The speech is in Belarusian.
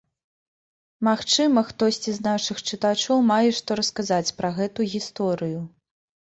Магчыма, хтосьці з нашых чытачоў мае што расказаць пра гэту гісторыю.